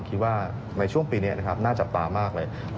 คิดว่าในช่วงปีนี้นะครับน่าจับตามากเลย